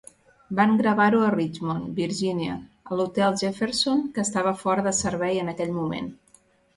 Van gravar-ho a Richmond, Virgínia, a l'Hotel Jefferson, que estava fora de servei en aquell moment.